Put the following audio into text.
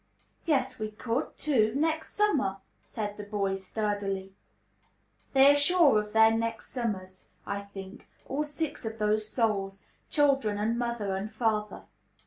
"Yes, we could, too, next summer," said the boy, sturdily. They are sure of their "next summers," I think, all six of those souls, children, and mother, and father.